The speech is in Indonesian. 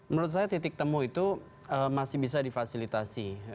menurut saya titik temu itu masih bisa difasilitasi